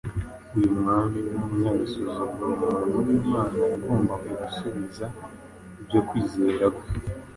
Uyu mwami w’umunyagasuzuguro umuntu w’Imana yagombaga gusubiza ibyo kwizera kwe